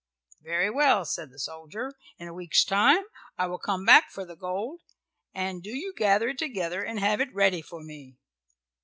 "Very well," said the soldier. "In a week's time I will come back for the gold, and do you gather it together and have it ready for me."